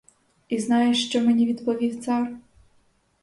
І знаєш, що мені відповів цар?